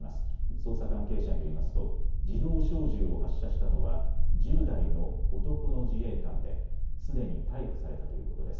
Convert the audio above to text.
捜査関係者によりますと自動小銃を発射したのは１０代の男の自衛官ですでに逮捕されたということです。